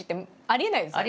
ありえないです。